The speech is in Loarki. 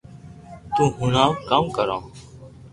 تو ھڻاو ڪاوُ ڪارو